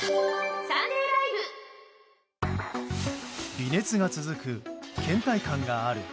微熱が続く、倦怠感がある。